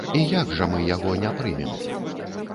І як жа мы яго не прымем?